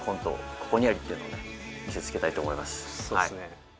ここにありっていうのをね見せつけたいと思いますそうっすね